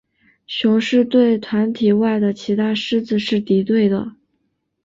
雌狮对团体外的其他狮子是敌对的。